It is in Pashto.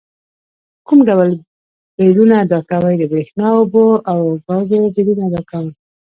کوم ډول بیلونه ادا کوئ؟ د بریښنا، اوبو او ګازو بیلونه ادا کوم